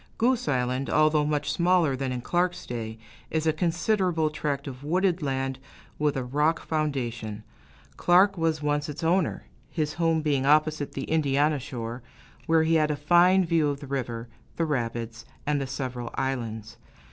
Goose Island, although much smaller than in Clark's day, is a considerable tract of wooded land, with a rock foundation. Clark was once its owner, his home being opposite on the Indiana shore, where he had a fine view of the river, the rapids, and the several islands.